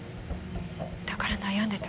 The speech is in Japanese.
だから悩んでた。